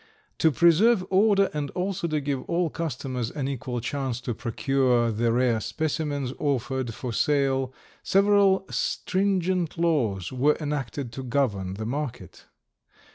To preserve order and also to give all customers an equal chance to procure the rare specimens offered for sale, several stringent laws were enacted to govern the market.